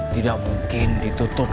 tidak mungkin ditutup